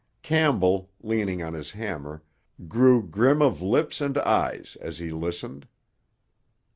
Campbell, leaning on his hammer, grew grim of lips and eyes as he listened.